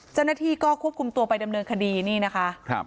เจ้าหน้าที่ก็ควบคุมตัวไปดำเนินคดีนี่นะคะ